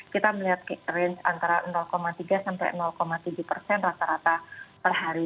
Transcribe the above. kita melihat range antara tiga sampai tujuh persen rata rata per hari